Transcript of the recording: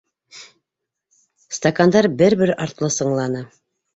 Стакандар бер-бер артлы сыңланы.